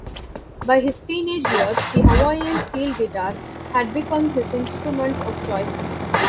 By his teenage years the Hawaiian steel guitar had become his instrument of choice.